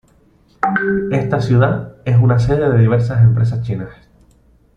Esta ciudad es una sede de diversas empresas chinas.